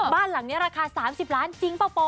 บ้านหลังนี้ราคา๓๐ล้านักค่ะจริงป่าว